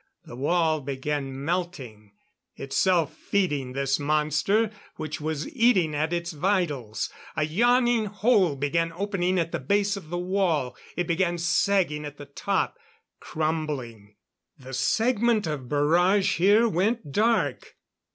The wall began melting itself feeding this monster which was eating at its vitals ... a yawning hole began opening at the base of the wall ... it began sagging at the top ... crumbling.... The segment of barrage here went dark.